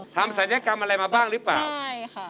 ศัลยกรรมอะไรมาบ้างหรือเปล่าใช่ค่ะ